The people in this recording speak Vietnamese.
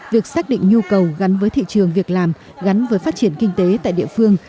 việc xác định nhu cầu gắn với thị trường việc làm gắn với phát triển kinh tế tại địa phương